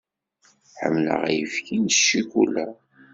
Ḥemmleɣ ayefki s ccukula.